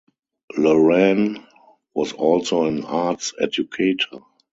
Loran was also an arts educator.